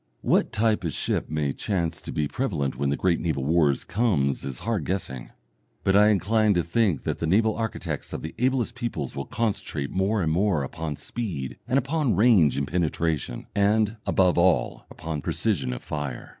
What type of ship may chance to be prevalent when the great naval war comes is hard guessing, but I incline to think that the naval architects of the ablest peoples will concentrate more and more upon speed and upon range and penetration, and, above all, upon precision of fire.